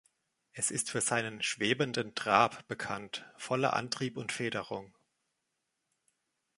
Es ist für seinen „schwebenden Trab“ bekannt – voller Antrieb und Federung.